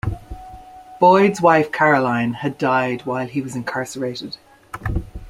Boyd's wife Caroline had died while he was incarcerated.